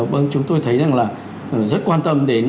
vâng chúng tôi thấy rằng là rất quan tâm đến